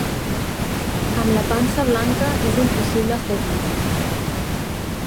Amb la pansa blanca és impossible fer vi